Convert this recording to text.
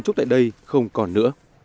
tổ chức tại đây không còn nữa